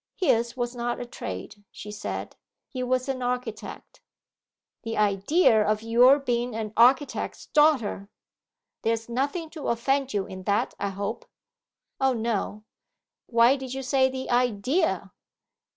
'His was not a trade,' she said. 'He was an architect.' 'The idea of your being an architect's daughter!' 'There's nothing to offend you in that, I hope?' 'O no.' 'Why did you say "the idea"?